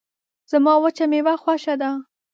زما وچه میوه خوشه ده